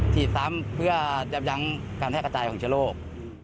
ฉีดทั้งพวกเพื่อยำยังการแทบกระจายของชะโลก